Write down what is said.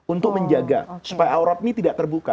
untuk menjaga supaya aurat ini tidak terbuka